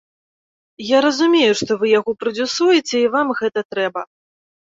Я разумею, што вы яго прадзюсуеце і вам гэта трэба.